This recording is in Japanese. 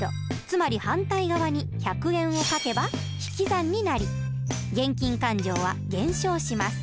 つまり反対側に１００円を書けば引き算になり現金勘定は減少します。